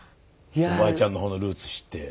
おばあちゃんの方のルーツ知って。